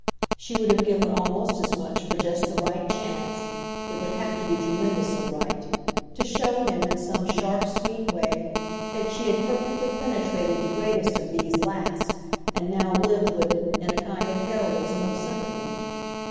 She would have given almost as much for just the right chance—it would have to be tremendously right—to show him in some sharp sweet way that she had perfectly penetrated the greatest of these last and now lived with it in a kind of heroism of sympathy.